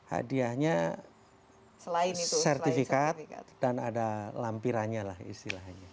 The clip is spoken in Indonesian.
hadiahnya selain sertifikat dan ada lampirannya lah istilahnya